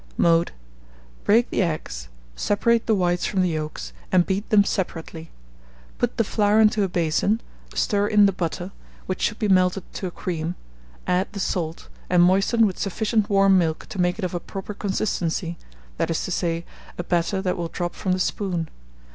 Mode. Break the eggs; separate the whites from the yolks, and beat them separately. Put the flour into a basin, stir in the butter, which should be melted to a cream; add the salt, and moisten with sufficient warm milk to make it of a proper consistency, that is to say, a batter that will drop from the spoon.